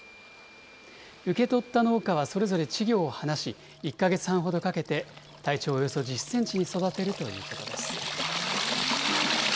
受け取った農家はそれぞれ稚魚を放し、１か月半ほどかけて、体長およそ１０センチに育てるということです。